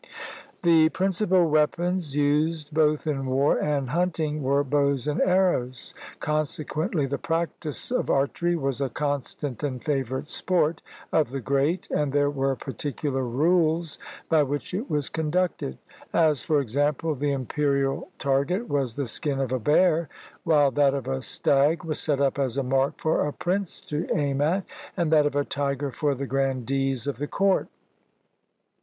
The principal weapons used both in war and hunting were bows and arrows; consequently the practice of archery was a constant and favorite sport of the great, and there were particular rules by which it was con ducted; as, for example, the imperial target was the skin of a bear, while that of a stag was set up as a mark for a prince to aim at, and that of a tiger for the grandees of the court.